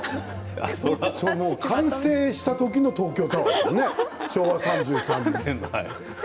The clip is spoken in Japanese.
完成した時の東京タワーですね昭和３３年の。